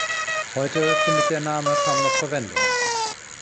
Heute findet der Name kaum noch Verwendung.